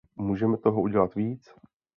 Můžeme toho udělat víc?